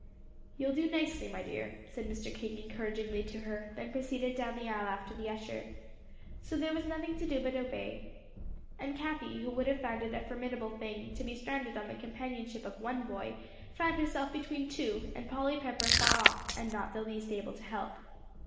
"You'll do nicely, my dear," said Mr. King encouragingly to her; then proceeded down the aisle after the usher. So there was nothing to do but to obey. And Cathie, who would have found it a formidable thing to be stranded on the companionship of one boy, found herself between two, and Polly Pepper far off, and not the least able to help.